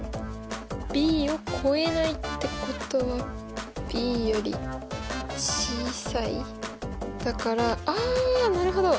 ｂを超えないってことはｂより小さいだからあなるほど。